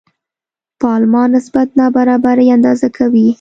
پالما نسبت نابرابري اندازه کوي.